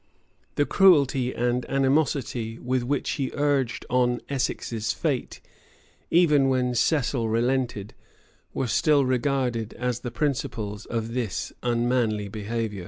The cruelty and animosity with which he urged on Essex's fate, even when Cecil relented,[*] were still regarded as the principles of this unmanly behavior.